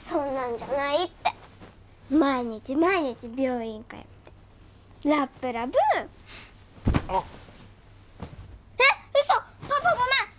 そんなんじゃないって毎日毎日病院通ってラッブラブあっえっウソパパごめん！